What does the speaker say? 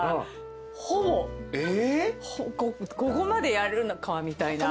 ここまでやるのかみたいな。